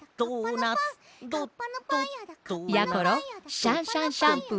シャンシャンシャンプー。